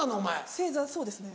正座そうですね。